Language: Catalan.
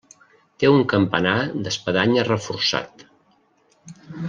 Té un campanar d'espadanya reforçat.